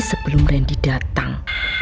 sebelum randy datang